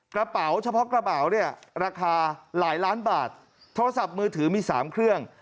กระเป๋าเฉพาะกระเป๋าเนี่ยราคาหลายล้านบาทโทรศัพท์มือถือมี๓เครื่อง